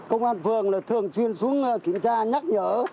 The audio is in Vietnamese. công an phường thường xuyên xuống kiểm tra nhắc nhở